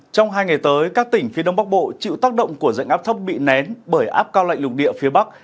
trong hai ngày tới các tỉnh phía đông bắc bộ chịu tác động của dạnh áp thấp bị nén bởi áp cao lạnh lục địa phía bắc